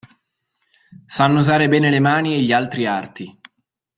Sanno usare bene le mani e gli altri arti.